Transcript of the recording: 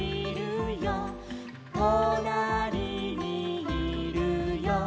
「となりにいるよ」